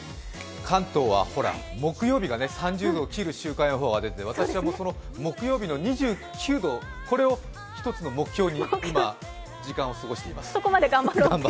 関東はほら、木曜日が３０度を切る週間予報が出て、私はその木曜日の２９度を一つの目標に今、時間を過ごしています。